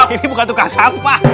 ini bukan tukang sampah